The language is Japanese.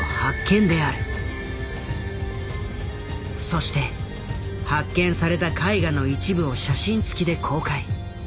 そして発見された絵画の一部を写真つきで公開。